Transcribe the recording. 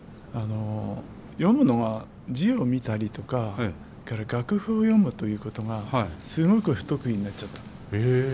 読むのが字を見たりとかそれから楽譜を読むということがすごく不得意になっちゃった。